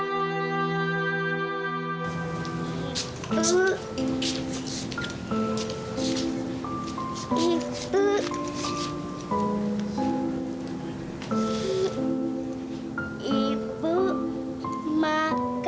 gak mau gak mau papa gak mau